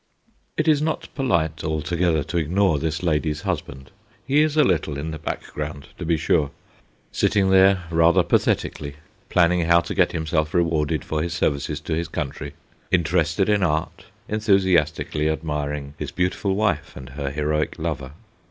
It is not polite altogether to ignore this lady's husband. He is a little in the back ground, to be sure, sitting there rather pathetically, planning how to get himself rewarded for his services to his country, interested in art, enthusiastically admiring his beautiful wife and her heroic lover.